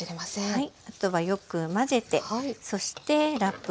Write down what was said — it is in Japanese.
はい。